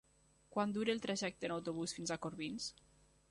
Quant dura el trajecte en autobús fins a Corbins?